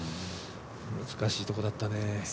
難しいところだったね。